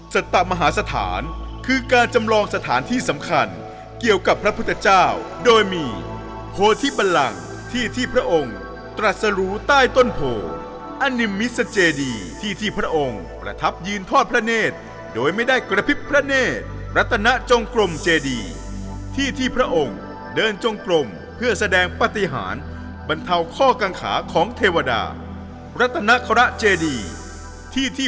สตมหาสถานคือการจำลองสถานที่สำคัญเกี่ยวกับพระพุทธเจ้าโดยมีโพธิบันลังที่ที่พระองค์ตรัสรู้ใต้ต้นโพอนิมมิสเจดีที่ที่พระองค์ประทับยืนทอดพระเนธโดยไม่ได้กระพริบพระเนธรัตนจงกรมเจดีที่ที่พระองค์เดินจงกลมเพื่อแสดงปฏิหารบรรเทาข้อกังขาของเทวดารัตนคระเจดีที่ที่